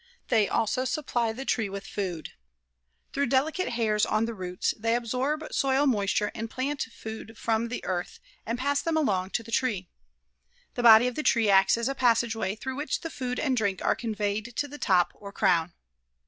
They also supply the tree with food. Through delicate hairs on the roots, they absorb soil moisture and plant food from the earth and pass them along to the tree. The body of the tree acts as a passage way through which the food and drink are conveyed to the top or crown.